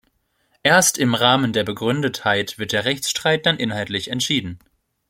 Erst im Rahmen der Begründetheit wird der Rechtsstreit dann inhaltlich entschieden.